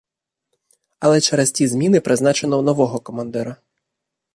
Але через ті зміни призначено нового командира.